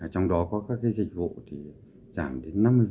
trong đó có các dịch vụ giảm giá đến năm mươi